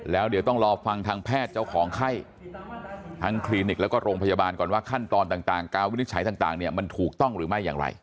แล้วเดี๋ยวต้องรอฟังทางแพทย์เจ้าของไข้ทั้งคลินิกแล้วก็โรงพยาบาลก่อนว่าขั้นตอนต่างการวินิจฉัยต่างเนี่ยมันถูกต้องหรือไม่อย่างไร